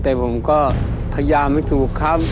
แต่ผมก็พยายามไม่ถูกครับ